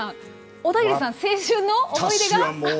小田切さん、青春の思い出が。